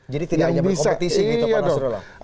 jadi tidak hanya berkompetisi gitu pak nasrullah